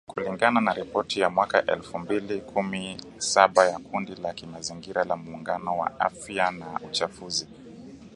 Kulingana na ripoti ya mwaka elfu mbili kumi Saba ya kundi la kimazingira la muungano wa afia na uchafuzi .